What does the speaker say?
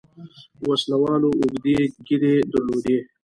وسله والو اوږدې ږيرې درلودې.